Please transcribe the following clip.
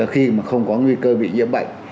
khi mà không có nguy cơ bị nhiễm bệnh